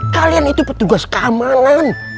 kalian itu petugas keamanan